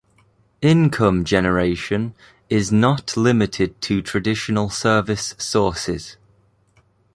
Income generation is not limited to traditional service sources.